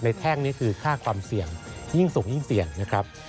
แท่งนี่คือค่าความเสี่ยงยิ่งสูงยิ่งเสี่ยงนะครับ